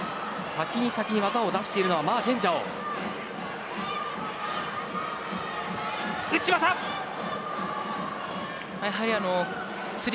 先に先に技を出しているのマ・ジェンジャオです。